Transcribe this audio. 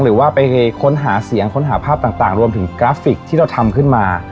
หรือว่าไปค้นหาเสียงค้นหาภาพต่างรวมถึงกราฟิกที่เราทำขึ้นมา